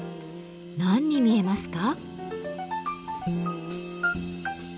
何に見えますか？